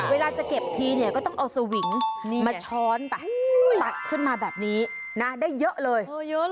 เวลาจะเก็บทีเนี่ยก็ต้องเอาสวิงมาช้อนไปตัดขึ้นมาแบบนี้นะได้เยอะเลย